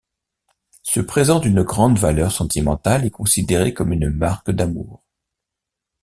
Ce présent d'une grande valeur sentimentale est considéré comme une marque d'amour.